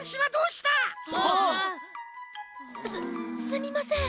すすみません！